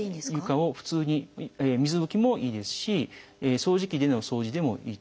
床を普通に水拭きもいいですし掃除機での掃除でもいいと思います。